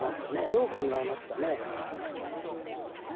どう考えますかね。